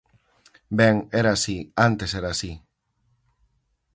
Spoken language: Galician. Ben, era así, antes era así.